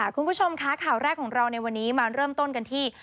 คุณผู้ชมคะข่าวแรกของเราในวันนี้มาเริ่มต้นกันที่